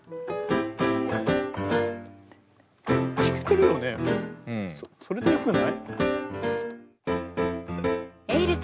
それでよくない？